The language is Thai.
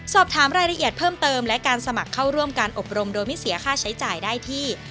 สอบถามรายละเอียดเพิ่มเติมและการสมัครเข้าร่วมการอบรมโดยไม่เสียค่าใช้จ่ายได้ที่